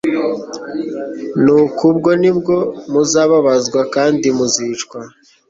«Nuko ubwo nibwo muzababazwa kandi muzicwa,